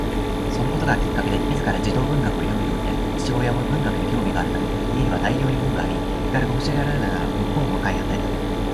そのことがきっかけで自ら児童文学を読むようになり、父親も文学に興味があるため家には大量に本があり、光が欲しがるならば本を買い与えた